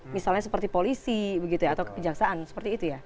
misalnya seperti polisi atau kejaksaan seperti itu ya